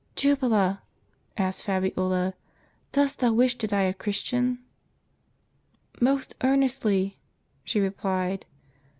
"Jubala," asked Fabiola, "dost thou wish to die a Christian?" " Most earnestly," she replied.